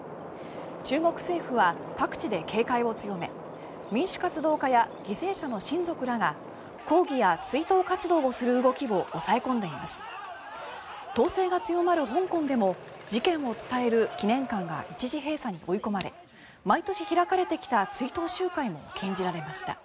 中国政府は各地で警戒を強め民主活動家や犠牲者の親族らが抗議や追悼活動をする動きを抑え込んでいます。統制が強まる香港でも事件を伝える記念館が一時閉鎖に追い込まれ毎年開かれてきた追悼集会も禁じられました。